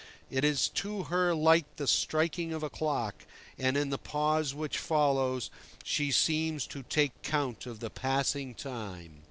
It is to her like the striking of a clock, and in the pause which follows she seems to take count of the passing time.